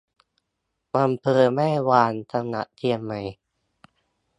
อำเภอแม่วาง จังหวัดเชียงใหม่